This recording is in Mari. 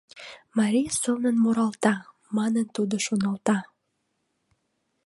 «Мари сылнын муралта!» Манын, тудо шоналта.